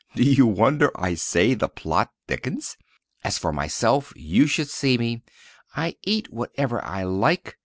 Do you wonder I say the plot thickens? As for myself—you should see me! I eat whatever I like.